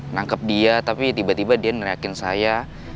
nangkep dia tapi tiba tiba dia neriakin saya